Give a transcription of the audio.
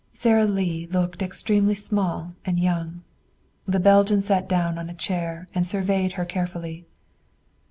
Sara Lee looked extremely small and young. The Belgian sat down on a chair and surveyed her carefully.